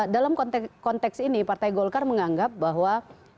dalam konteks ini partai golkar menganggap bahwa